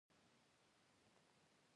خوړل د خوندونو نړۍ ده